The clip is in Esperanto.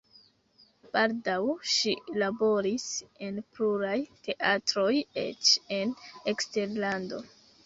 Baldaŭ ŝi laboris en pluraj teatroj eĉ en eksterlando.